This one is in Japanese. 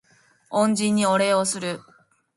恩人にお礼をする